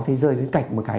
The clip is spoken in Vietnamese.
thế rơi đến cạnh một cái